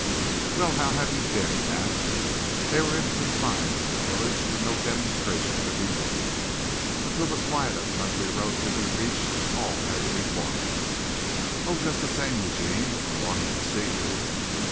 "Well, how have you been?" he asked. They were in the confines of the village and no demonstration could be made. Until the quiet of a country road could be reached all had to be formal. "Oh, just the same, Eugene, longing to see you."